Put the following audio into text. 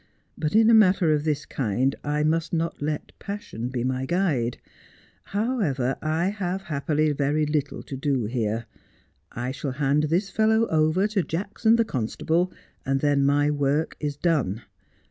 But in a matter of this kind I must not let passion be my guide. However, I have happily very little to do here. I shall hand this fellow over to Jackson, the constable, and then my work is done.